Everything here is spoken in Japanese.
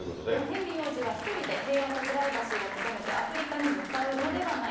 ヘンリー王子は１人で平和とプライバシーを求めてアフリカに向かうのではないか。